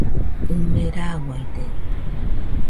ɨme rauaide.